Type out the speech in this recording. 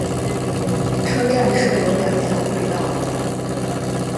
车站设有两条轨道。